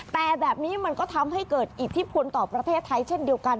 แต่แบบนี้มันก็ทำให้เกิดอิทธิพลต่อประเทศไทยเช่นเดียวกัน